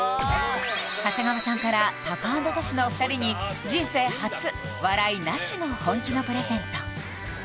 長谷川さんからタカアンドトシのお二人に人生初笑いなしの本気のプレゼント